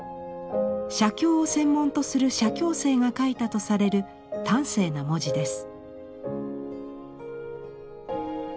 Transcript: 写経を専門とする写経生が書いたとされる端正な文字です。